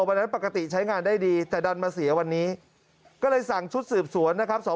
วันนั้นปกติใช้งานได้ดีแต่ดันมาเสียวันนี้ก็เลยสั่งชุดสืบสวนนะครับ